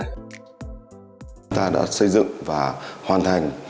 chúng ta đã xây dựng và hoàn thành